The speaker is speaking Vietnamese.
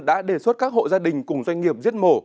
đã đề xuất các hộ gia đình cùng doanh nghiệp giết mổ